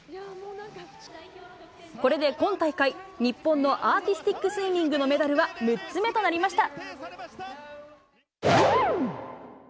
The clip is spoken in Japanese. これで今大会、日本のアーティスティックスイミングのメダルは６つ目となりました。